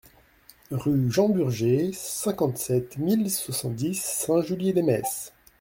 Rue Jean Burger, cinquante-sept mille soixante-dix Saint-Julien-lès-Metz